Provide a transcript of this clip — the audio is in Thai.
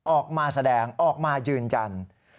ออกมาแสดงออกมายืนยัน